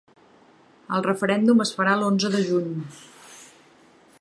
El referèndum es farà l’onze de juny.